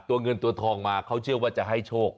เงินตัวทองมาเขาเชื่อว่าจะให้โชค